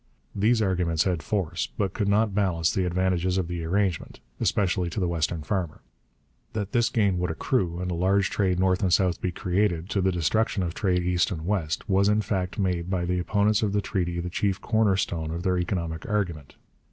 These arguments had force, but could not balance the advantages of the arrangement, especially to the western farmer. That this gain would accrue and a large trade north and south be created, to the destruction of trade east and west, was in fact made by the opponents of the treaty the chief corner stone of their economic argument.